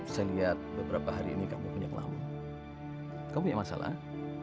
saya lihat beberapa hari ini kamu punya kelaut kamu punya masalah